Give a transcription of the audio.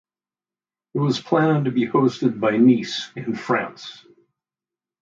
It was planned to be hosted by Nice in France.